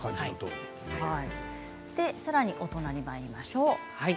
さらにお隣にまいりましょう。